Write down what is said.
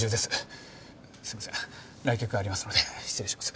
すいません来客がありますので失礼します。